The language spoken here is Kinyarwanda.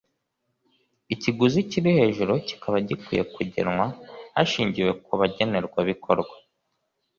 Ikiguzi kiri hejuru kikaba gikwiye kugenwa hashingiwe kubagenerwa bikorwa